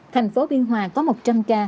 thành phố biên hòa có một trăm linh ca